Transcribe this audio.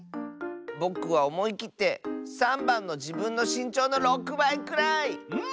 ぼくはおもいきって３ばんの「じぶんのしんちょうの６ばいくらい」！